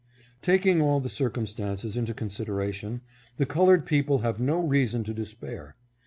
Taking all the circumstances into consideration, the colored people have no reason to despair.